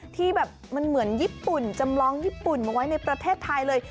ที่แบบมันเหมือนญี่ปุ่นจำลองญี่ปุ่นมาไว้ในประเทศไทยเลย